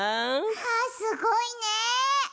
はあすごいね。